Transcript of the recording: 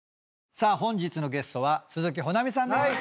さあ本日のゲストは鈴木保奈美さん